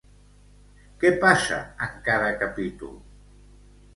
Què passa en cada capítol?